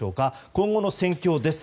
今後の戦況です。